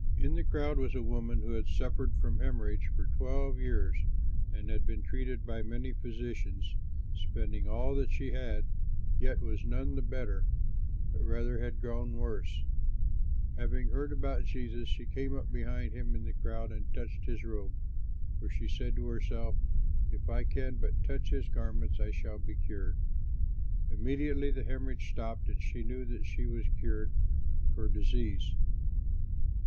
In the crowd was a woman who had suffered from hemorrhage for twelve years and had been treated by many physicians, spending all that she had, yet was none the better, but rather had grown worse. Having heard about Jesus, she came up behind him in the crowd and touched his robe, for she said to herself, "If I can but touch his garments, I shall be cured." [Illustration: Raising the Daughter of Jairus Painted by Léon Gérôme] Immediately the hemorrhage stopped, and she knew that she was cured of her disease.